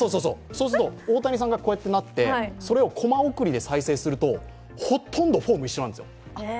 そうすると、大谷さんがこうやってなってそれをこま送りで再生すると、ほとんどフォームが同じなんです。